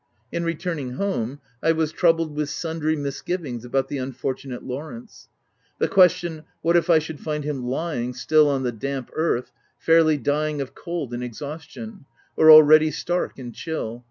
In returning home, I was troubled with sundry misgivings about the unfortunate Lawrence, The question, what if I should find him lying, still on the damp earth, fairly dying of cold and exhaustion — or already stark and chill